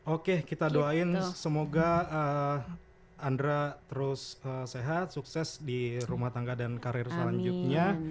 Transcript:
oke kita doain semoga andra terus sehat sukses di rumah tangga dan karir selanjutnya